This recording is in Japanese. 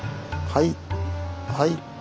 はい。